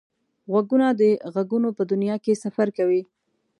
غوږونه د غږونو په دنیا کې سفر کوي